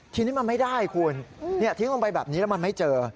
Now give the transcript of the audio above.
ทีนี้มันไม่ได้คุณทิ้งลงไปแบบนี้แล้วมันไม่เจอ